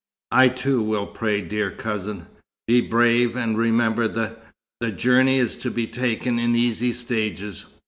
"I, too, will pray, dear cousin. Be brave, and remember, the journey is to be taken, in easy stages.